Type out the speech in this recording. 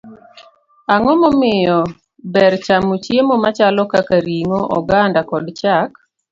Ang'o momiyo ber chamo chiemo machalo kaka ring'o, oganda, kod chak?